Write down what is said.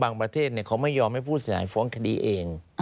ประเทศเขาไม่ยอมให้ผู้เสียหายฟ้องคดีเอง